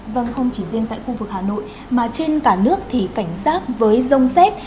vâng không chỉ riêng tại khu vực hà nội mà trên cả nước thì cảnh giác với rông xét